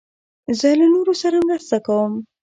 زه له نورو سره مرسته کوم.